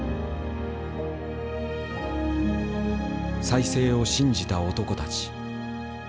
再生を信じた男たち。